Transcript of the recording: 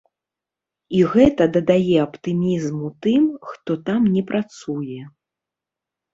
І гэта дадае аптымізму тым, хто там не працуе.